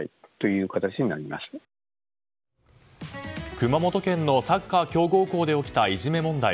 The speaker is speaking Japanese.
熊本県のサッカー強豪校で起きた、いじめ問題。